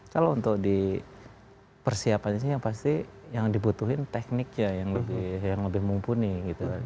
kalau untuk di persiapan yang pasti yang dibutuhin tekniknya yang lebih mumpuni gitu kan